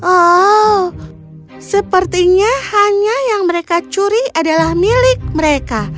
oh sepertinya hanya yang mereka curi adalah milik mereka